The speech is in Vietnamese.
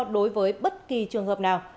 đối với bất kỳ trường hợp nào